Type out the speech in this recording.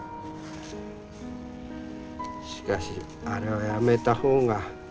しかしあれはやめた方が。